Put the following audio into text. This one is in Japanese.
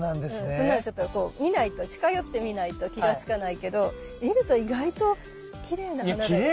そんなのちょっとこう見ないと近寄って見ないと気が付かないけど見ると意外ときれいな花だよね。